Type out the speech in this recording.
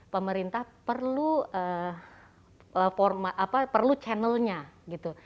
pemerintah perlu channelnya gitu